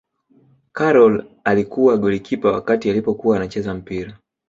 karol alikuwa golikipa wakati alipokuwa anacheza mpira